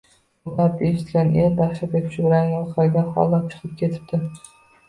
Bu gapni eshitgan er dahshatga tushib, rangi oqargan holda chiqib ketibdi